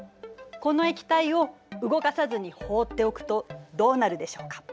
この液体を動かさずに放っておくとどうなるでしょうか。